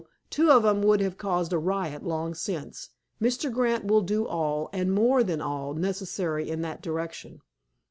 Two of 'em would have caused a riot long since. Mr. Grant will do all, and more than all, necessary in that direction."